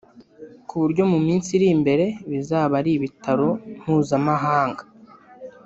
ku buryo mu minsi iri imbere bizaba ari ibitaro mpuzamahanga